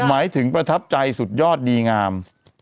หมายถึงประทับใจสุดยอดดีงาม